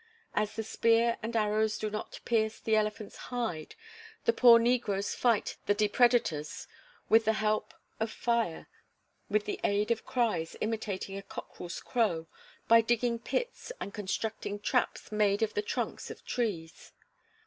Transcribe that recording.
As the spears and arrows do not pierce the elephant's hide, the poor negroes fight the depredators with the help of fire, with the aid of cries imitating a cockerel's crow, by digging pits, and constructing traps made of the trunks of trees.